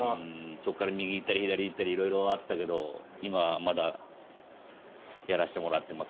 そこから右行ったり左行ったり色々あったけど今まだやらしてもらってます。